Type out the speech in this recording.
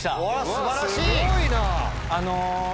すごいな！